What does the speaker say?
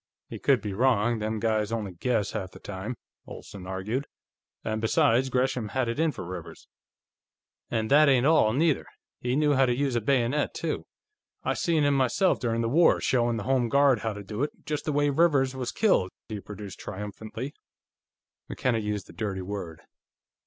"He could be wrong; them guys only guess, half the time," Olsen argued. "And besides, Gresham had it in for Rivers. And that ain't all, neither; he knew how to use a bayonet, too. I seen him, myself, during the war, showin' the Home Guard how to do it, just the way Rivers was killed!" he produced triumphantly. McKenna used a dirty word.